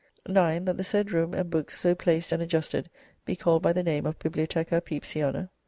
"9. That the said room and books so placed and adjusted be called by the name of 'Bibliotheca Pepysiana.'